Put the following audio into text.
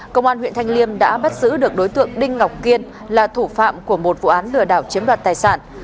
công an huyện thanh liêm đã bắt giữ được đối tượng đinh ngọc kiên là thủ phạm của một vụ án lừa đảo chiếm đoạt tài sản